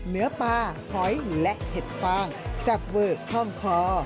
เนื้อปลาหอยและเห็ดฟางแซ่บเวอร์คล่องคอ